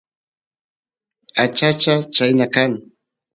achacha chayna kan